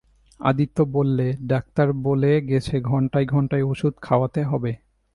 আদিত্য বললে, ডাক্তার বলে গেছে ঘণ্টায় ঘণ্টায় ওষুধ খাওয়াতে হবে।